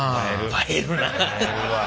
映えるわ。